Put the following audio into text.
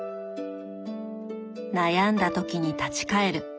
悩んだ時に立ち返る。